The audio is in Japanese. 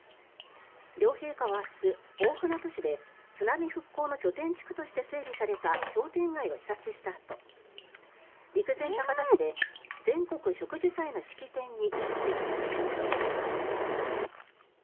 両陛下は明日、大船渡市で津波復興の拠点地区として整備された商店街を視察したあと陸前高田市で全国植樹祭の式典に出席されます。